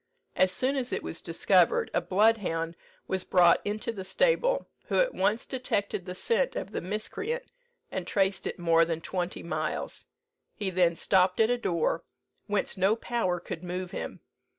As soon as it was discovered, a bloodhound was brought into the stable, who at once detected the scent of the miscreant, and traced it more than twenty miles. He then stopped at a door, whence no power could move him.